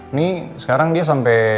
ini sekarang dia sampe